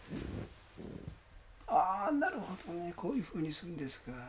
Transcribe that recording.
あぁなるほどね。こういうふうにするんですか。